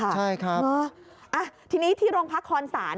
ใช่ครับทีนี้ที่โรงพักคอนศาล